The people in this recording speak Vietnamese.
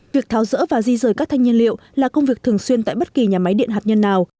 việc tháo rỡ và di rời các thanh nhiên liệu là công việc thường xuyên tại bất kỳ nhà máy điện hạt nhân nào